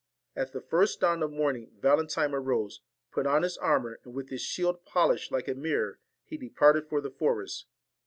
At the first dawn of morning Valentine arose, put on his armour, and with his shield polished like a mirror, he departed for the forest.